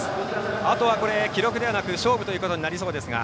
あとは、記録ではなく勝負ということになりそうですが。